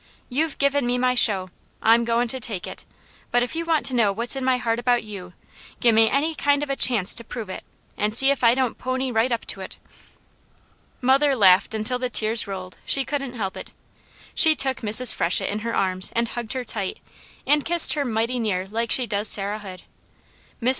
You've given me my show, I'm goin' to take it, but if you want to know what's in my heart about you, gimme any kind of a chanct to prove, an' see if I don't pony right up to it!" Mother laughed until the tears rolled, she couldn't help it. She took Mrs. Freshett in her arms and hugged her tight, and kissed her mighty near like she does Sarah Hood. Mrs.